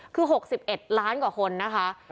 คือ๖๑ล้านกว่าคนนะคะ